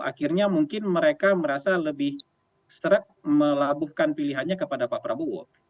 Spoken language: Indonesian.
akhirnya mungkin mereka merasa lebih melabuhkan pilihannya kepada pak prabowo